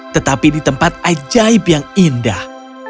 tetapi di tempat ajaib yang indah